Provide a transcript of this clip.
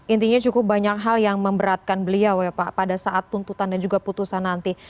intinya cukup banyak hal yang memberatkan beliau ya pak pada saat tuntutan dan juga putusan nanti